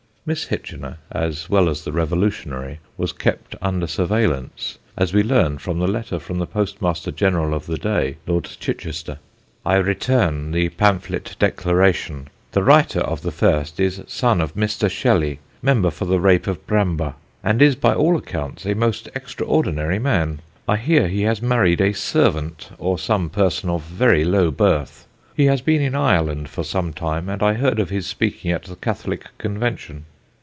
Miss Hitchener, as well as the revolutionary, was kept under surveillance, as we learn from the letter from the Postmaster General of the day, Lord Chichester: "I return the pamphlet declaration. The writer of the first is son of Mr. Shelley, member for the Rape of Bramber, and is by all accounts a most extraordinary man. I hear he has married a servant, or some person of very low birth; he has been in Ireland for some time, and I heard of his speaking at the Catholic Convention.